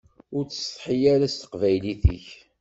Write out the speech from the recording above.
Ur ttsetḥi ara s teqbaylit-ik.